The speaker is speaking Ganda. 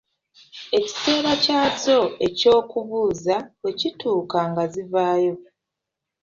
Ekiseera kyazo eky'okubuuza bwe kituuka nga zivaayo.